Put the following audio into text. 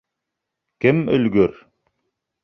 Кем өлгөр?